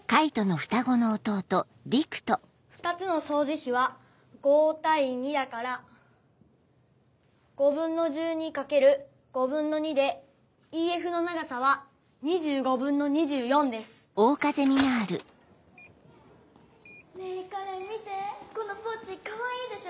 ２つの相似比は５：２だから５分の１２かける５分の２でＥＦの長さは２５分の２４です。ねぇ花恋見てこのポーチかわいいでしょ。